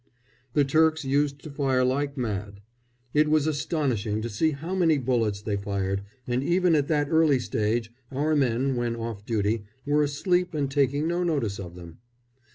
The Turks used to fire like mad. It was astonishing to see how many bullets they fired, but even at that early stage our men, when off duty, were asleep and taking no notice of them.